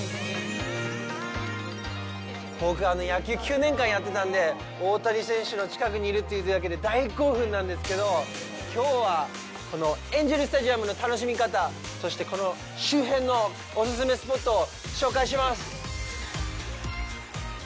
僕、野球を９年間やってたんで、大谷選手の近くにいるっていうだけで大興奮なんですけど、きょうは、このエンゼル・スタジアムの楽しみ方、そして、この周辺のお勧めスポットを紹介します。